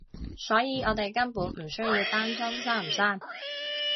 所以我哋根本唔需要擔心生唔生